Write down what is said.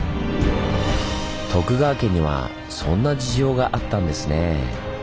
徳川家にはそんな事情があったんですねぇ。